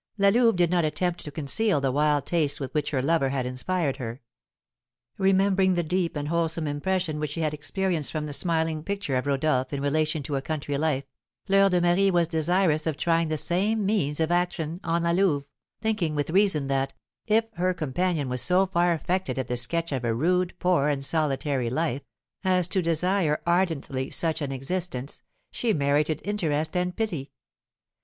La Louve did not attempt to conceal the wild tastes with which her lover had inspired her. Remembering the deep and wholesome impression which she had experienced from the smiling picture of Rodolph in relation to a country life, Fleur de Marie was desirous of trying the same means of action on La Louve, thinking, with reason, that, if her companion was so far affected at the sketch of a rude, poor, and solitary life, as to desire ardently such an existence, she merited interest and pity.